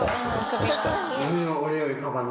確かに。